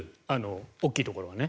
大きいところはね。